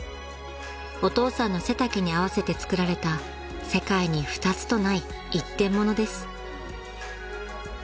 ［お父さんの背丈に合わせて作られた世界に二つとない一点物です］